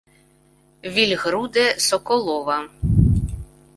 Вільгруде-Соколова